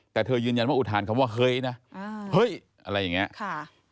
แต่เธอยืนยันว่าอุทานคำว่าเฮ้ยนะเฮ้ยอะไรอย่างนี้ค่ะ